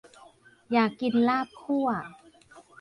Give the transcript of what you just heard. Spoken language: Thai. อยากกินลาบคั่ว